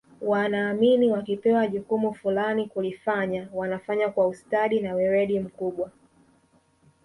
wanaamini wakipewa jukumu fulani kulifanya wanafanya kwa ustadi na weredi mkubwa